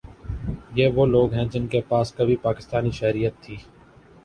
یہ وہ لوگ ہیں جن کے پاس کبھی پاکستانی شہریت تھی